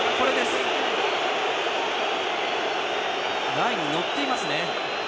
ラインに乗っていますね。